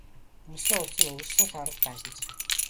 Өмссөн хувцас нь өгөршсөн саарал даашинз.